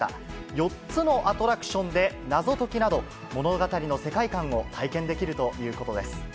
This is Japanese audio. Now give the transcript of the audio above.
４つのアトラクションで謎解きなど、物語の世界観を体験できるということです。